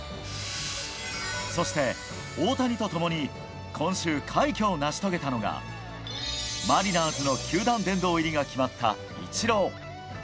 そして大谷と共に今週、快挙を成し遂げたのがマリナーズの球団殿堂入りが決まったイチロー。